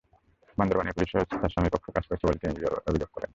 বান্দরবানের পুলিশও তাঁর স্বামীর পক্ষে কাজ করছে বলে তিনি অভিযোগ করেন।